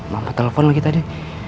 mama telepon lagi tadi